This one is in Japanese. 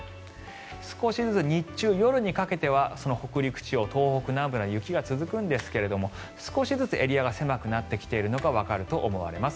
少しずつ日中、夜にかけては北陸地方、東北南部など雪が続くんですが少しずつエリアが狭くなってきているのがわかると思われます。